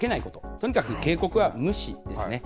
とにかく警告は無視ですね。